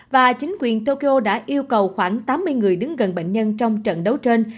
và chính quyền tokyo đã yêu cầu khoảng tám mươi người đứng gần bệnh nhân trong trận đấu trên